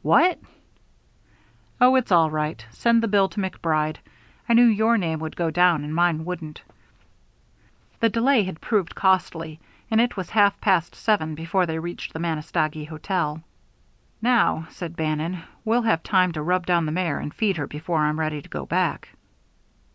"What!" "Oh, it's all right. Send the bill to MacBride. I knew your name would go down and mine wouldn't." The delay had proved costly, and it was half past seven before they reached the Manistogee hotel. "Now," said Bannon, "we'll have time to rub down the mare and feed her before I'm ready to go back."